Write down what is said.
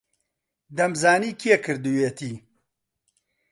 دەمزانی کێ کردوویەتی.